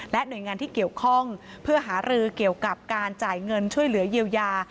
หน่วยงานที่เกี่ยวข้องเพื่อหารือเกี่ยวกับการจ่ายเงินช่วยเหลือเยียวยา